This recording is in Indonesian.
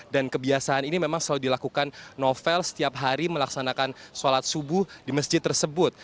dan kebiasaan ini memang selalu dilakukan novel setiap hari melaksanakan sholat subuh di masjid tersebut